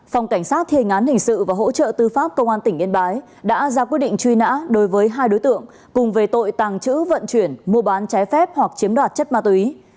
phòng cảnh sát thiên ngán hình sự và hỗ trợ tư pháp công an tỉnh yên bái đã ra quyết định truy nã đối với hai đối tượng cùng về tội tàng trữ vận chuyển mua bán trái phép hoặc chiếm đoạt chất ma túy